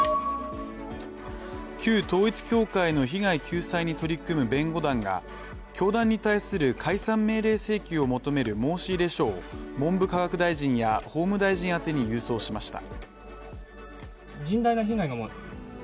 旧統一教会の被害救済に取り組む弁護団が教団に対する解散命令請求を求める申し入れ書を文部科学大臣や法務大臣宛てに郵送しました。